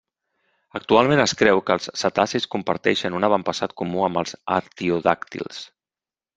Actualment es creu que els cetacis comparteixen un avantpassat comú amb els artiodàctils.